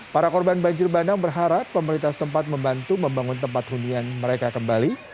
para korban banjir bandang berharap pemerintah setempat membantu membangun tempat hunian mereka kembali